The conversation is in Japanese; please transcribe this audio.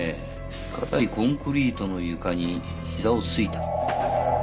硬いコンクリートの床にひざをついた。